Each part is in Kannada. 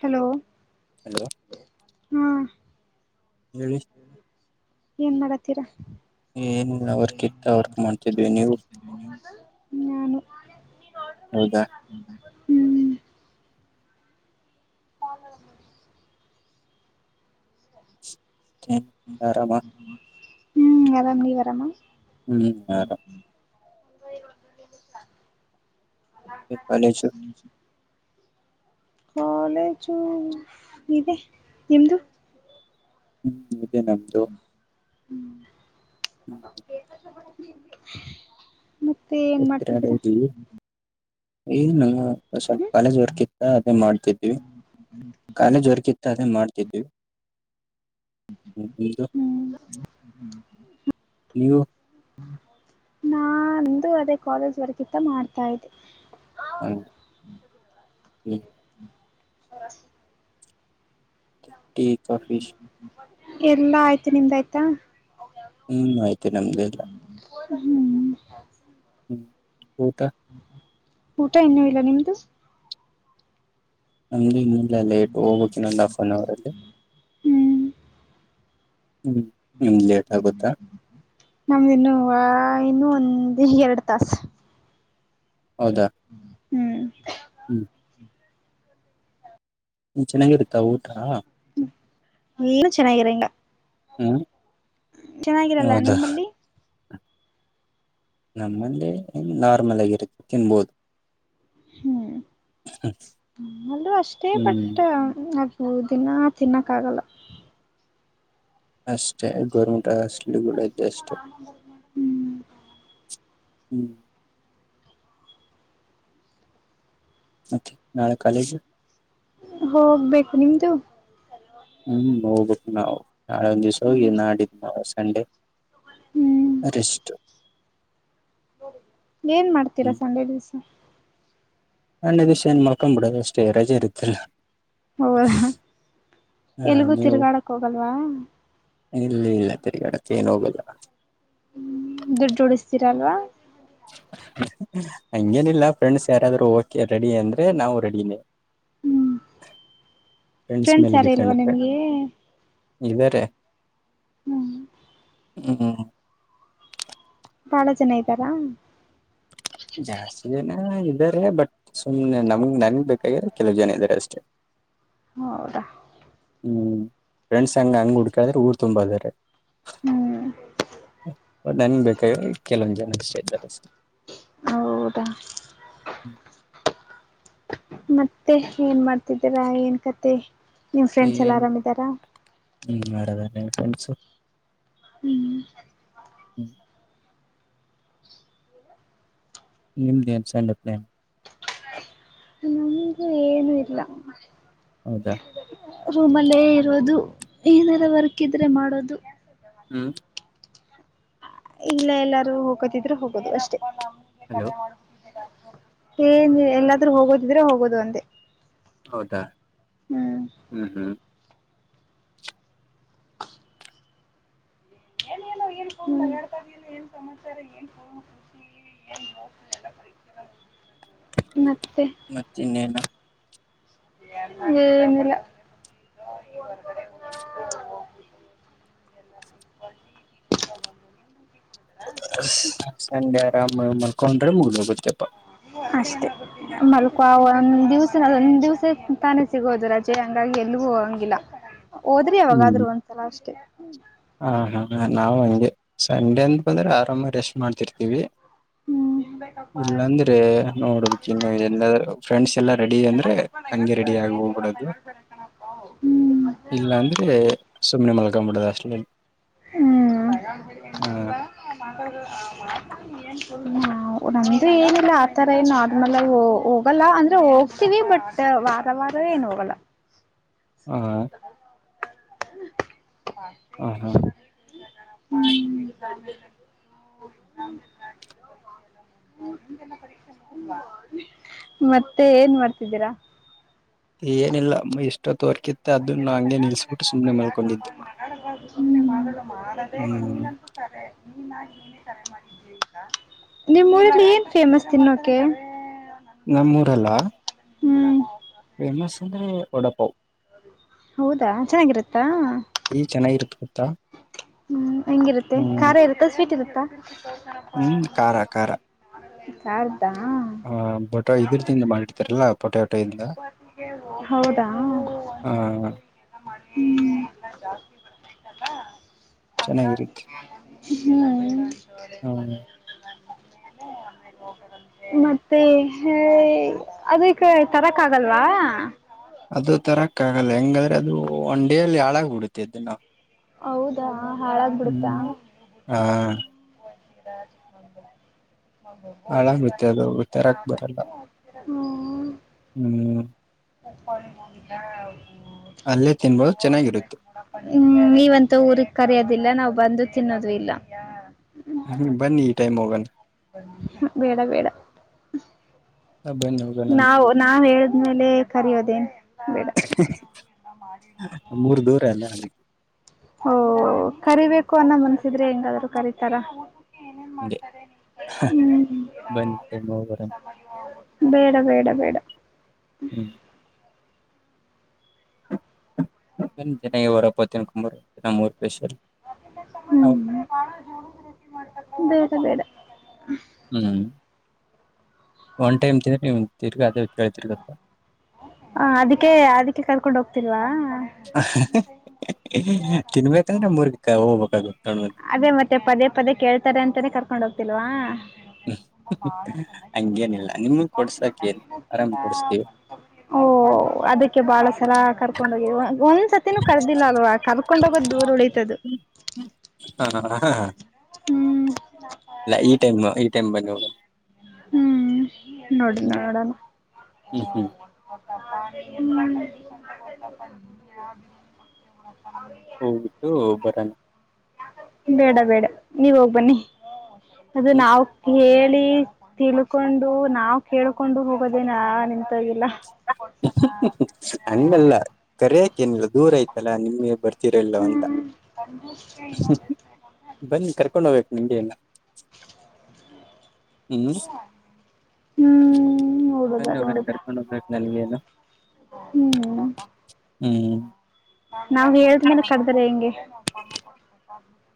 ಹಲೋ ಹಲೋ ಹಾ ಹೇಳಿ ಏನ್ ಮಾಡತೀರಾ ಏನ್ ವರ್ಕ್ ಇತ್ತ ವರ್ಕ್ ಮಾಡ್ತಿದ್ವಿ ನೀವು ನಾನು ಹೌದಾ ಹ್ಮ್ ಹೌ ಆರಾಮ ಹ್ಮ್ ಆರಾಮಿ ನೀ ಆರಾಮ ಹ್ಮ್ ಆರಾಮ್ ಕಾಲೇಜು ಅ ಕಾಲೇಜು ಇದೆ ನಿಮ್ದು ಹ್ಮ್ ಇೇ ನಮ್ದು ಹ್ಮ್ ಹ ಮತ್ತೆ ಏನ್ ಹೋಗ್ತೀರಾ ಮಾಡ್ತಿದರ ಡೈಲಿ ಏನು ಸ್ವಲ್ಪ ಕಾಲೇಜ್ ವರ್ಕ್ ಇತ್ತ ಅದೇ ಮಾಡ್ತಿದ್ವಿ ಕಖಾಲಿ ಜೋರಕಿತ್ತ ಅದೇ ಮಾಡ್ತಿದ್ವಿ ಹ್ಮದು ಹ್ಮ್ ನೀವು ನಾ ಅದು ಅದೇ ಕಾಲೇಜ್ ವರ್ಕಮಾಡ್ತಾ ಇದ್ದೆ ಹ ಹ್ಮ ಹ ಟೀ ಕಫಿಶ ಎಲ್ಲಾ ಆಯ್ತು ನಿಮ್ದ ಆಯ್ತಾ ಹ್ಮ್ ಆಯ್ತು ನಮ್ದಲ್ಲ ಹ್ಮ್ ಹ್ಮ ಊಟ ಇನ್ನುೂ ಇಲ್ಲ ನಿಮ್ದು ನಮ ಇ ಲೇಟ್ ಹೋಗಕನ್ನಂದ್ ಹಫ್ ಅನ್ ಅವರ್ ಅಲ್ಲಿ ಹ್ಮ್ ನಿಮ್ದ್ ಲೇಟ್ ಆಗುತ್ತಾ ನಮ್ದಿನ್ನು ವ ಇನ್ನು ಹ ಎರಡು ತಸ್ ಹೌದಾ ಹ್ಮ್ ಚೆನ್ನಾಗಿರುತ್ತ ಊಟ ನೀನು ಚೆನ್ನಾಗಿರಂಗ ಹ್ಮ್ ಚೆನ್ನಾಗಿರಲ್ಲ ಹೌದಾ ನಿಮ್ಮಲ್ಲಿ ನಮ್ಮಲ್ಲಿ ನ್ ನಾರ್ಮಲ್ ಆಗಿರುತ್ತೆ ತಿನ್ಬೋದು ಹ್ಮ್ದು ಅಷ್ಟೇ ಹ್ಮ್ ಬಟ್ ಮೂ ದಿನ ತಿನ್ನಕ್ಕ ಆಗಲ್ಲ ಆಷ್ಟೆ ಗರಮಟ ಹಷ್ಟಲಿಗಲ ಜಷ್ಟತ ಹ್ಮ್ ಹ್ಮ್ ನಾಳೆ ಕಾಲೇಜ ಹೋಗ್ಬೇಕು ನಿಮ್ದು ಹ್ಮ್ ನೋಗ್ಬೇಕು ನಾವವು ನಾಳ ಒಂದ್ ದಿವ್ಸ ನಾಡಿದ್ ತಾಸ್ ಸಂಡೆ ಹ್ಮ್ ರಷ್ಟು ಏನ್ ಮಾಡ್ತೀರಾ ಸಂಡೆ ದಿವ್ಸ ಸಂಡೆ ನಣ್ಣ ಇದಷ್ಟ ಏನ್ ಮಾಡ್ಕೊ ಬಿಡೋದು ಅಷ್ಟೇರೇಜ್ ಇರುತ್ತಲ್ಲ ಹೌದಾ ಹಾ ಎಲ್ಗೂ ತಿರುಗಾಡಕ್ ಹೋಗಲ್ವಾ ಇಲ್ಲ ಇಲ್ಲ ತಿರಿಗಡಕ್ಕೆ ಏನ್ ಹೋಗಲ್ಲ ದುಡ್ಡುಡಿಸತೀರಲ್ವಾ ಹಂಗೇನಿಲ್ಲ ಫ್ರೆಂಡ್ಸ್ ಯಾರಾದ್ ಓಕೆ ರೆಡಿ ಅಂದ್ರೆ ನಾವು ರೆಡಿನೇ ಹ್ಮ್ ಫ್ರೆಂಡ್ಸ್ ಯಾರು ಇಲ್ವಾ ನಿಮ್ಗೆ ಇವೇರೆ ಹ್ಮ್ ಹ್ಮ ಬಾಳ ಜನ ಇದ್ದಾರಾ ಜಾಸ್ತಿ ಜನ ಇದ್ದಾರೆ ಬಟ್ ಸುಮ್ನೆ ನಮಗ್ ನನ್ಗ್ ಬೇಕಾಗ್ಯ್ರ ಕೆಲವು ಜನ ಇದಾರೆ ಅಷ್ಟೆ ಹೌದಾ ಹ್ಮ್ ಫ್ರೆಂಡ್ಸ್ ಹಂಗ ಹಂಗ್ ಹುಡ್ಕ್ರೆ ಊರ್ ತುಂಬದಾರೆ ಹ್ಮ್ ನನ್ ಬೇಕ್ಯ ಕೆಲವೊಂದ್ ಜನ ಅಷ್ಟೇ ಇದ್ದಾರೆಷ್ಟೆ ಹೌದಾ ಮತ್ತೆ ಏನ್ ಮಾಡ್ತಿದ್ದೀರಾ ಏನ್ ಕತೆ ನಿಮ್ಮ್ ಫ್ರೆಂಡ್ಸ್ ಎಲ್ಲ ಏನ್ ಆರಾಮಿದಾರಾ ಹಿಂಗ್ [unintelligible] ಹ್ಮ್ ಈಮ ಸ್ಂಡಪ್ನೇ ಅಂದುೂ ಏನು ಇಲ್ಲ ಹೌದಾ ರೂಮ್ಲ್ಲೇ ಇರೋದು ಏನಲ್ಲ ವರ್ಕ್ ಇದ್ರೆ ಮಾಡೋದು ಹ್ಮ್ ಇಲ್ಲ ಎಲ್ಲಾರು ಹೋಗೋತಿದ್ರು ಹೋಗೋದು ಅಷ್ಟೇ ಹಲೋ ಏನ್ ಎಲ್ಲಾದ್ರೂ ಹೋಗೋದಿದ್ರೆ ಹೋಗೋದು ಒಂದೆ ಹೌದಾ ಹ್ಮ್ ಹ್ಮ್ ಎಲ್ಲಿಲ್ಲೋ ಏನ್ ಕ ಹಳ್ತ ಏನ್ ಸಮಾಚಾರ ಎನ್ನೋ ಖುಷಿ [unintelligible] ಮತ್ತ ಇನ್ನೇನ ಏನಿಲ್ಲಾ [unintelligible] ಸಂಡೆ ಆರಾಮ ಮಲ್ಕೊಂಡ್ರೆ ಮುಗದ ಹೋಗುತ್ತೆ [unintelligible] ಅಷ್ಟೆ ಮಲ್ಕು ಒಂದ್ ದಿವ್ಸನೊಂದ್ ದಿವ್ಸ ತಾನೇ ಸಿಗೋದು ರಜೆ ಹಂಗಾಗಿ ಎಲ್ಲಿ ಎಲ್ಲಿಗೂ ಹೋಗಂಗಿಲ್ಲ ಹೋದ್ರಿ ಹ್ಮ್ ಯಾವಾಗಾದ್ರು ಒಂದ್ಸಲ ಅಷ್ಟೇ ಹಾ ಹಾ ನಾವು ಹಂಗೆ ಸಂಡೆ ಅಂತ ಬಂದ್ರೆ ಆರಾಮ ರೆಸ್ಟ್ ಮಾಡ್ತಿರ್ತೀವಿ ಹ್ಮ್ ಇಲ್ಲ ಅಂದ್ರೆ ನೋಡ್ಬೇಕ್ ಇನ್ನು ಎಲ್ಲ ಫ್ರೆಂಡ್ಸ್ ಎಲ್ಲಾ ರೆಡಿ ಅಂದ್ರೆ ಹಂಗೆ ರೆಡಿ ಆ ಹೋಗ್ಬಿಡೋದು ಇಲ್ಲ ಹ್ಮ್ ಅಂದ್ರೆ ಸುಮ್ಮ್ನೆ ಮಲ್ಕ್ಬಿಡದು ಅಷ್ಟೇ ಹ್ಮ್ ಹಾ ನಂದ್ರೆ ಏನಿಲ್ಲ ಆತರ ನಾರ್ಮಲ್ ಆಗಿ ಹೋಗಲ್ಲ ಅಂದ್ರೆ ಹೋಗ್ತೀವಿ ಬಟ್ ವಾರ ವಾರ ಏನು ಹೋಗಲ್ಲ ಹ್ಮ [unintelligible] [unintelligible] ಹ ಹಾ ಮತ್ತೆ ಏನ್ ಮಾಡ್ತಿದ್ದೀರಾ ಏನಿಲ್ಲ ಇಷ್ಟ ತೋರ್ಕಿತ್ತ ಅದನ್ನ ನಂಗೆ ನಿಲ್ಸ್ಬಿಟ್ಟು ಸುಮ್ಮ್ನೆ ಮಲ್ಕೊಂಡಿದ್ದು ಮಾಡದೆೇ ಕಮ್ಮಿ ಹ್ಮ್ ನಂತಾರೇ ನಿಮ್ಮೂಊರಿಲ್ಲಿ ಏನ್ ಫೇಮಸ್ ತಿನ್ನೋಕೆ ನನ್ ಮಾಡ್ಬೇಕಂತ ಪೇಮಸ್ ಅಂದ್ರೆ ಒಡಾಪಾವ ಹೌದಾ ಚೆನ್ನಾಗಿರುತ್ತಾ ಈ ಚೆನ್ನಾಗಿರುತ್ತ ಗೊತ್ತಾ ಹ್ಮ್ ಹೆಂಗಿರುತ್ತೆ ಹ್ಮ್ ಖಾರ ಇರುತ್ತಾ ಸ್ವೀಟ್ ಇರುತ್ತಾ ಹ್ಮ್ ಖಾರ ಖಾರಾ ಖಾರದಾ ಹ ಬೊಟಾ ಇದ್ರದಿಂದ ಮಾಡಿತಾರಲ್ಲಾ ಪೊಟಾಟ ಹೌದಾ ಹ ಹ್ಮ್ ಎಲ್ಲ ಜಾಸ್ತಿ ಬರ್ತಾಯ್ತಲ್ಲ ಚೆನ್ನಾಗಿರುತ್ತೆ ಹ್ಮ್ [unintelligible] ಮತ್ತೆ ಹೇಳಿ ಅದಕೇ ತರಕ್ ಆಗಲ್ವಾ ಅದು ತರಕ್ಕ ಆಗಲ್ಲ ಹೆಂಗಾದ್ರೆ ಅದು ಒಂದ್ ಡೇ ಅಲ್ಲಿ ಹಾಳಾಗ್ ಬಿಡುತ್ತೆ ಇದ ನಾವು ಹೌದಾ ಹಾಳಾಗ್ಬಿಡುತ್ತ [unintelligible] ಹಾ ಹಾಳಾಗುತ್ತೆ ಅದು ತರಕ್ ಬರಲ್ಲ [unintelligible] [inaudible] ಹ್ಮ್ [unintelligible] ಅಲ್ಲೇ ತಿನ್ಬೋದು ಚೆನ್ನಾಗಿರುತ್ತೆ ಹ್ಮ್ ನೀವಂತೂ ಊರಿಗೆ ಕರೆಯೋದಿಲ್ಲ ನಾವು ಬಂದು ತಿನ್ನೋದು ಇಲ್ಲಾ ಹ್ಮ್ ಬನ್ನಿ ಈ ಟೈಮ್ ಹೋಗೋಣ ಬೇಡ ಬೇಡಾ ಬನ್ನಿ ಹೋಗೋಣ ಅಂತ ನಾವು ನಾವ್ ಹೇಳಿದ್ಮೇಲೆ ಕರಿಯೋದೆನ್ ಬೇಡಾ ಮೂರು ದೂರ ಎಲ್ಲ ಅಲ್ಲಿಕ ಓ ಕರಿಬೇಕು ಅನ್ನ ಮನ್ಸಿದ್ರೆ ಹೆಂಗಾದ್ರು ಕರೀತಾರ ಬನ್ನಿ [unintelligible] ಬೇಡಾ, ಬೇಡಾ, ಬೇಡಾ ಹ್ಮ್ ಜನ ವರಪ್ಪತ್ತಿನಕಂಬರು ಜ ಮೂರು [unintelligible] ಬೇ ಬೇಡ [unintelligible] ಹ್ಮ ಒನ್ ಟೈಮ್ ತಿಿಂದ್ರ ನಿಮ ತಿರ್ಗಿ ಅದ ಕೇಳ್ತಿರ್ ಗೊತ್ತಾ [unintelligible] ಹ ಅದಕ್ಕೆ ಅದಕ್ಕೆ ಕರ್ಕೊಂಡ್ ಹೋಗ್ತಿಲ್ವಾ ತಿನ್ಬೇಕತಂದ್ರ ಊರ್ಗ ಹೋಗ್ಬೇಕದುದು [unintelligible] ಅದೇ ಮತ್ತೆ ಪದೇ ಪದೇ ಕೇಳ್ತಾರೆ ಅಂತಾನೇ ಕರ್ಕೊಂಡ್ ಹೋಗ್ತಿಲ್ವಾ ಹಂಗೇನಿಲ್ಲ ನಿಮಗ್ ಕೊಡ್ಸಕ್ ಏನ್ ಆರಾಮ್ ಕೊಡಿಸ್ತೀವಿ ಓ ಅದಕ್ಕೆ ಬಾಳ ಸಲ ಕರ್ಕೊಂಡ ಒಂದ್ಸತಿನೂ ಕರ್ದಿಲ್ಲ ಅಲ್ವಾ ಕರ್ಕೊಂಡ್ ಹೋಗೋದ್ ದೂರ್ ಉಳೀಿತದ ಹ ಹಾ ಹ ಹ್ಮ್ ಇಲ್ಲ ಈ ಟೈಮ್ ಈ ಟೈಮ್ ಬನ್ನಿ ಹೋಗೋಣ ಹ್ಮ್ ನೋಡಣ ಹ್ಮ್ ನೋಡಣ ಹ್ಮ್ ಹ್ಮ್ [unintelligible] ಹೋಗಟ್ಟು ಬರಾನ ಬೇಡ ಬೇಡ ನೀವ ಹೋಗ್ ಬನ್ನಿ ಅದು ಹ್ಮ್ ನಾವ ತಿಳ್ಕೊಂಡು ನಾವು ಕೇೇಳಕೊಂಡು ಹೋಗೋದೇ ನಿ [unintelligible] ಅಂಗಲ್ಲ ಕರಿಯಕ್ಕೆನಿಲ್ಲ ದೂರ ಇತ್ತಲ್ಲ ನಿಮಗೆ ಬರ್ತ ಲ್ಲ ಅಂತ ಹ್ಮ್ ಬನ್ನಿ ಕರ್ಕೊಂಡ ಹೋಗ್ಬೇಕು ನನಗೇನು ಹ್ಮ್ ಹ್ಮ್ ನೋಡುದ ನೋಡುದ ನನಗೇನು ಹ್ಮ್ ಹ್ಮ್ ನಾವ್ ಹೇಳಿದ್ಮೇಲೆ ಕರುದ್ರೆ ಹೆಂಗೆ [inaudible]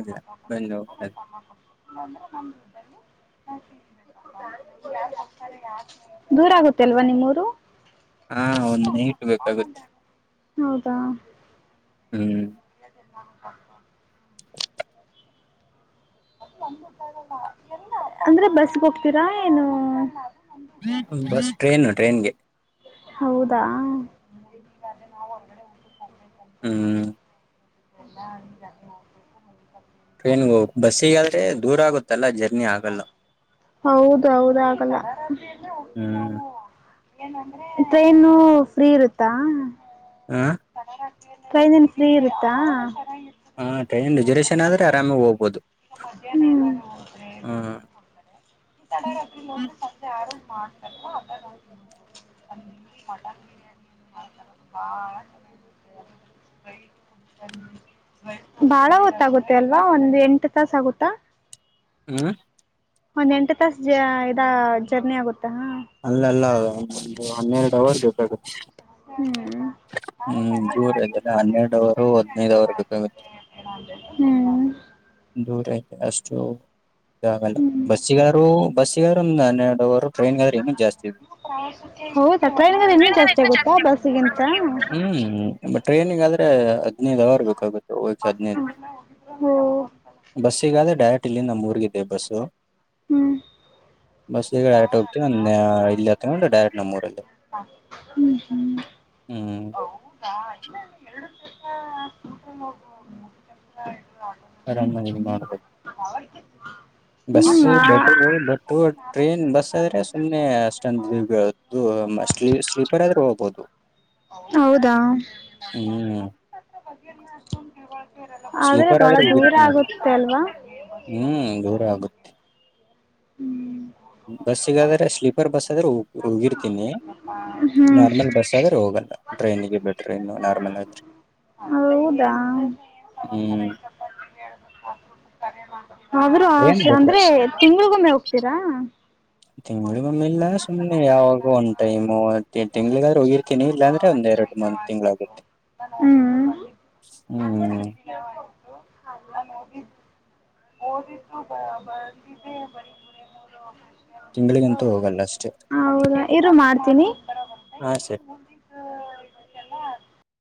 ಇಲ್ಲ ಬಂದು ಅಸಕಬೇಕ ಕ ಹೋಗದು ಅಂದ್ರೆ ನಮ [unintelligible] ದೂರ ಆಗುತ್ತೆ ಅಲ್ವಾ ನಿಮ್ಮೂರು ಹಾ ಒಂದು ನೈಟ್ ಬೇಕಾಗುತ್ತೆ ಹೌದಾ ಹ್ಮ್ [unintelligible] [unintelligible] ಅಂದ್ರೆ ಬಸ್ಗೆ ಹೋಗ್ತೀರಾ ಏನು [inaudible] [inaudible] ಬಸ್ ಟ್ರೈನು ಟ್ರೈನ್ಗೆ ಹೌದಾ ಹ್ಮ ಈಗಾದ್ರೆ ನಾವು ಹೊರಗಡೆೋಗಟಬೇಕ [unintelligible] ಹ್ಮ್ ಕ ಹ [unintelligible] ಟ್ರೈನ್ಗೆ ಹ ಬಸ್ಸಿಗಾದ್ರೆ ದೂರ ಆಗುತ್ತಲ್ಲಾ ಜ ಹೌದು ಹೌದು ಆಗಲ್ಲ ಹ್ಮ್ ಟ್ರೈನು ಫ್ರೀ ಇರುತ್ತಾ ಆ ಟ್ರೈನ್ ಏನು ಫ್ರೀ ಇರುತ್ತಾ ಹ ರಿಸರ್ವೇಶನ್ ಟ್ರೈನ್ ಆದ್ರೆ ಆರಾಮಾಗಿ ಹೋಗಬಹುದು ಈಗ ಮಧ್ಯಾಹ್ನೋೋಡ್ತಾರೆ ಈ ತಡ ನೋಡ್ರೆೆ ಆರ [unintelligible] ಮಾಡ್ತಾರ ಅ ಹ ಮಟನ್ ಬಿರಿಯಾನಿ [unintelligible] ಬಾಳ ಚನ್ನ [unintelligible] ಬಳ ಗೊತ್ತಾಗುತ್ತದೆ ಅಲ್ವಾ ಒಂದ್ ಎಂಟು ತಾಸ ಆಗುತ್ತಾ ಹ್ಮ ಒಂದ್ೆ ಎಂಟು ತಾಸ ಜ ಇದ ಜರ್ನಿ ಆಗುತ್ತಾ [unintelligible] ಅಲ್ಲ ಅಲ್ಲ ಒ ಒಂದು ಹನ್ನೆರಡು ಅವರ್ ಬೇಕಾಗುತ್ತೆ ಹ್ಮ್ ಹ್ಮ್ ದೂರ ಇದೆಲ್ಲ ಹನ್ನೆರಡು ಅವರು ಹದ್ನೈದು ಅವರ್ ಹ ಬೇಕಾಗುತ್ತೆ ಹ್ಮ ದೂರ ಐತೆ ಅಷ್ಟು ಇದಾಗಲ್ಲ ಹ್ಮ್ ಬಸ್ಸಿಗಾರು ಬಸ್ಸಿಗಾರಂದ ನಾನ ಎರಡುವರು ಟ್ರನ್ ಆದ್ರೆಏ ಜಾಸ್ ಇದೆ ಹೌದಾ ಟ್ರೈನ್ಗಳು ಇನ್ನೂ ಜಾಸ್ತಿ ಆಗುತ್ತಾ ಬಸ್ಸಿಗಿಂತ ಹ್ಮ್ ಟ್ರೈನಿಂಗ್ ಆದ್ರೆ ಹದ್ನಿದುರ್ಬೇಕಾಗುತ್ತೆ ಹೋಗ ಹದ್ನಿದು ಓ ಬಸ್ಸ ಈಗಾದೇ ಡೈರೆಕ್ಟ್ ಬಟ್ಟಲ್ಲಿ ನಮ್ಮ್ ಊರ್ಗಿದ್ದದೆ ಬಸ್ಸು ಹ್ಮ್ ಬಸ್ ಈಗ ಡ್ಯಾಟ್ ಹೋಗ್ತೀವಿ ಒಂದ ಇಲ್ಲಿ ಹತ್ಕೊಂಡು ಡೈರೆಕ್ಟ್ ನಮ್ಮೂರಲ್ಲಿ ಹ್ಮ್ ಇಲ್ಲ ಎರಡು ಕೆಸ ಸ್ಕೂಟರ್ ಹೋಗುವ ಮೂ ಕೆಲಸ ಆರಾಮ ಮಾಡಬೇಕು ಬಸ್ ಹ್ಮ್ ಬಟ್ಟಗಳು ಆ ಬಟ್ಟು ಟ್ರೈನ್ ಬಸ್ ಆದ್ರೆ ಸುಮ್ಮನೆ ಅಷ್ಟೊಂದು ಬೀಳು ಸ್ಲೀಪರ್ ಆದ್ರೂ ಹೋಗ್ಬಹದು ಹೌದಾ ಸ್ಲೀಪರ್ ಬಹಳ ಆದ್ರೆ ದೂರ ಹೋಗಿರುತ್ತೀ ನಾನು ಆಗುತ್ತೆ ಅಲ್ವಾ ಹ್ಮ್ ದೂರ ಆಗುತ್ತೆ ಹ್ಮ್ ಬಸ್ ಸಿಗಾದ್ರೆ ಸ್ಲೀಪರ್ ಬಸ್ ಆದ್ರೆ ಹೋಗಿರ್ತೀನಿ ಹ್ಮ್ ನಾರ್ಮಲ್ ಬಸ್ ಆದ್ರೆ ಹೋಗ ಟ್ರೈನ್ ಟ್ರ ನಾರಲ್ ಹೌದಾ ಹ್ಮ್ ಆದ್ರೂ ಆ ಟ್ರೈನ್ ಬೆಟರ್ ಅಂದ್ರೆ ತಿಂಗಳಿಗೊಮ್ಮೆ ಹೋಗ್ತೀರಾ ತಿಂಗಳ ಮಮ್ಮಿಲ್ಲ ಸುಮ್ನೆ ಯಾವಾಗ ಒಂದ್ ಟೈಮು ತಿಂಗಳಿಗಾದ್ರರು ಹೋಗಿರ್ತೀನಿ ಇಲ್ಲ ಅಂದ್ರೆ ಒಂದ್ ಎರಡು ಮ ಒಂದ್ ತಿಂಗ್ಳ ಆಗುತ್ತೆ ಹ್ಮ ಹ್ಮ್ ತಿಂಗಳಿಗಂತರೂ ಹೋಗಲ್ಲ ಅಷ್ಟೇ ಹೌದಾ ಇರು ಮಾಡ್ತೀನಿ ಹಾ ಸರಿ